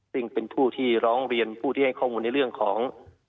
ซึ่งเป็นผู้ที่ร้องเรียนผู้ที่ให้ข้อมูลในเรื่องของ